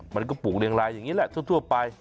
มันก็ปลูกเรียงรายอย่างนี้แหละทั่วไป